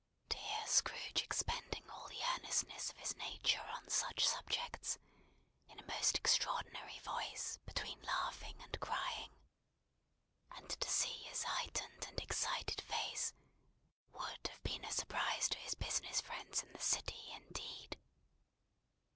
To hear Scrooge expending all the earnestness of his nature on such subjects, in a most extraordinary voice between laughing and crying; and to see his heightened and excited face; would have been a surprise to his business friends in the city, indeed.